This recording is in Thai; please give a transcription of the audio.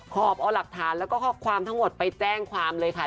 ขอบเอาหลักฐานแล้วก็ข้อความทั้งหมดไปแจ้งความเลยค่ะ